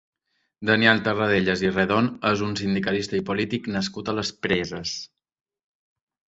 Daniel Terradellas i Redon és un sindicalista i polític nascut a les Preses.